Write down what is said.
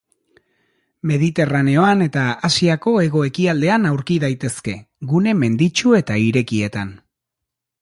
Mediterraneoan eta Asiako hego-ekialdean aurki daitezke, gune menditsu eta irekietan.